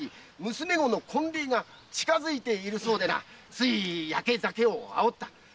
娘御の婚礼が近づいているそうでついやけ酒をあおった。